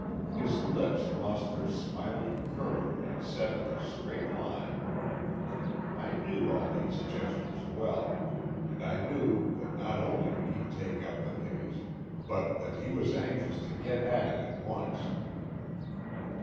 His lips lost their smiling curve and set in a straight line. I knew all these gestures well, and I knew that not only would he take up this case, but that he was anxious to get at it at once.